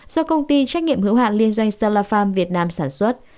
do công ty trách nghiệm hữu hạn liên doanh stella farm việt nam sản xuất